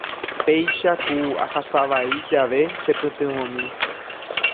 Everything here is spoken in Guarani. Péicha ku ahasavai jave chepytyvõmi.